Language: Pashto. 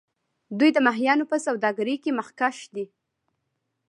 دوی د ماهیانو په سوداګرۍ کې مخکښ دي.